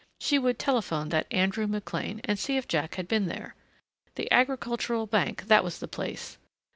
She would telephone that Andrew McLean and see if Jack had been there. The Agricultural Bank, that was the place.